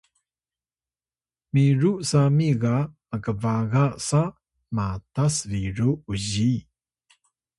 miru sami ga mkbaga sa matas biru uziy